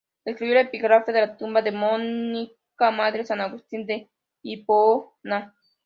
Escribió el epígrafe de la tumba de Mónica, madre de San Agustín de Hipona.